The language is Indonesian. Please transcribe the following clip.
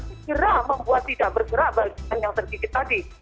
bergerak membuat tidak bergerak bagian yang sedikit tadi